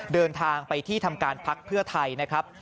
เดินทางไปที่ทำการพักเพื่อไทยนะครับ